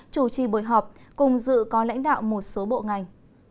chủ trì buổi họp cùng dự có lãnh đạo một số bộ ngành